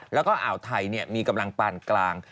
แล้วก็อ่าวไทยมีกำลังปานกลาง